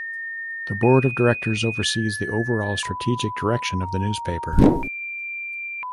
The Board of Directors oversees the overall strategic direction of the newspaper.